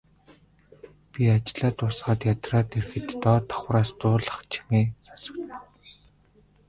Би ажлаа дуусгаад ядраад ирэхэд доод давхраас дуулах чимээ сонсогдоно.